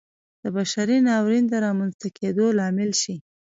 د بشري ناورین د رامنځته کېدو لامل شي.